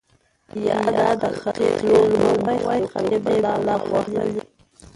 يا دا د خلقي لـور نه وای خـلقۍ بلا وهـلې.